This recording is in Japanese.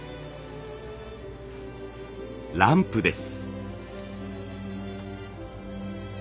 ランプです。